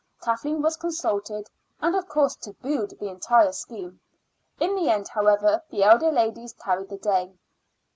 Kathleen was consulted, and of course tabooed the entire scheme; in the end, however, the elder ladies carried the day.